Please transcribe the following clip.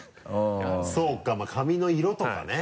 そうかまぁ髪の色とかね。